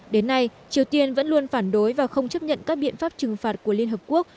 đến nay triều tiên vẫn luôn phản đối và không chấp nhận các biện pháp trừng phạt của liên hợp quốc